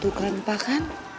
tuh keren banget kan